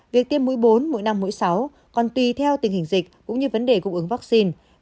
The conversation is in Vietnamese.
việc tiêm mũi bốn mỗi năm mũi sáu còn tùy theo tình hình dịch cũng như vấn đề cung ứng vaccine